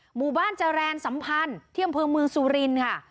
หมู่บ้านจรรย์สัมพันธ์เที่ยมเมืองสุรินค่ะ